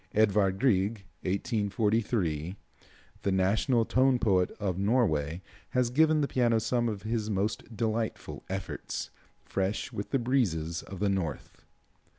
Edward Grieg (1843 ), the national tone poet of Norway, has given the piano some of his most delightful efforts, fresh with the breezes of the North.